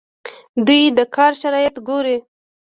دوی د کار شرایط ګوري.